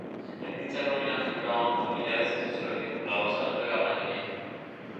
En dicha nómina figuraban familiares y asesores vinculados a la Nueva Mayoría.